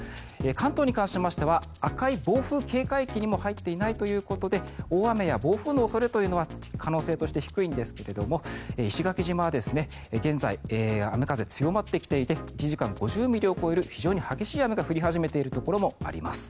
関東に関しましては赤い暴風警戒域にも入っていないということで大雨や暴風の恐れというのは可能性として低いんですが石垣島は現在雨、風強まってきていて１時間５０ミリを超える非常に激しい雨が降り始めているところもあります。